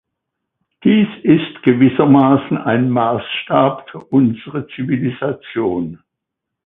Dies ist gewissermaßen ein Maßstab für unsere Zivilisation.